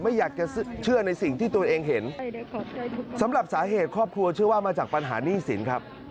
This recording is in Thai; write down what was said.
ไม่อยากจะเชื่อในสิ่งที่ตัวเองเห็นสำหรับสาเหตุครอบครัวเชื่อว่ามาจากปัญหาหนี้สินครับ